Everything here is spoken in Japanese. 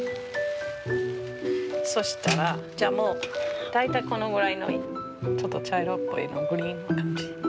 そしたら大体このぐらいのちょっと茶色っぽいグリーンの感じ。